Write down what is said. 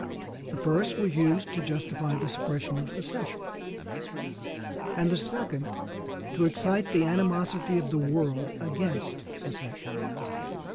The first was used to justify the suppression of secession, and the second to excite the animosity of the world against secession.